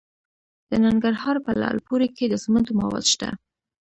د ننګرهار په لعل پورې کې د سمنټو مواد شته.